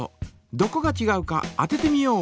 どこがちがうか当ててみよう！